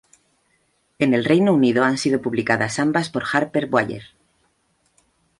En el Reino Unido han sido publicadas ambas por Harper Voyager.